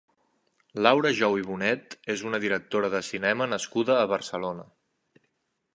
Laura Jou i Bonet és una directora de cinema nascuda a Barcelona.